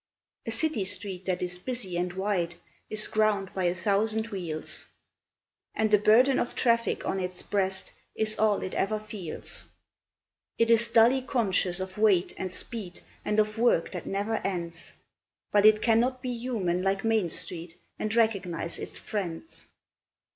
A city street that is busy and wide is ground by a thousand wheels, And a burden of traffic on its breast is all it ever feels: It is dully conscious of weight and speed and of work that never ends, But it cannot be human like Main Street, and recognise its friends.